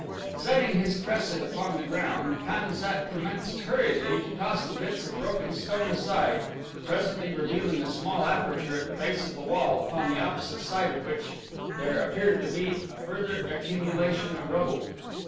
Setting his cresset upon the ground, Pan sat commenced hurriedly to toss the bits of broken stone aside, presently revealing a small aperture at the base of the wall upon the opposite side of which there appeared to be a further accumulation of rubble.